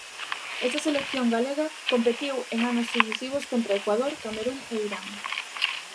Esta selección galega competiu en anos sucesivos contra Ecuador, Camerún e Irán.